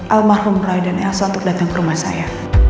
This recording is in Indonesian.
almarhum roy dan elsa untuk datang ke rumah saya